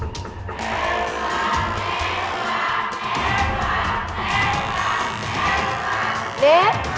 เทพภาคเทพภาคเทพภาคเทพภาค